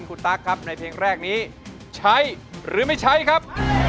คุณตั๊กครับในเพลงแรกนี้ใช้หรือไม่ใช้ครับ